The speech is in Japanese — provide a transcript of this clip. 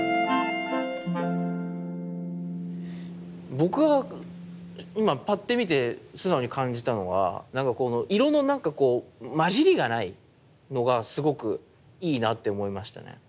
僕は今パッて見て素直に感じたのはなんかこの色のなんかこう混じりがないのがすごくいいなって思いましたね。